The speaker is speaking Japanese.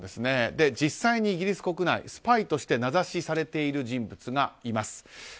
実際にイギリス国内スパイとして名指しされている人物がいます。